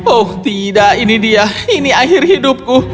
oh tidak ini dia ini akhir hidupku